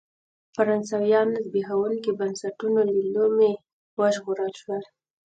فرانسویان د زبېښونکو بنسټونو له لومې وژغورل شول.